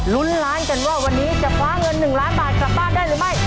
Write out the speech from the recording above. ลุ้นล้านกันว่าวันนี้จะคว้าเงิน๑ล้านบาทกลับบ้านได้หรือไม่